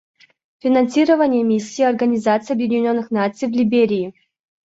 Финансирование Миссии Организации Объединенных Наций в Либерии.